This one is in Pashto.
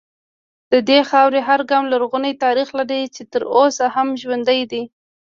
د دې خاورې هر ګام لرغونی تاریخ لري چې تر اوسه هم ژوندی دی